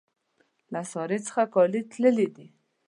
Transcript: له سارا څخه کالي تللي دي.